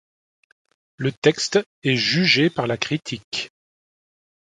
Le texte est jugé par la critique.